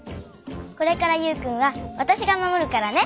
これからユウくんはわたしがまもるからね。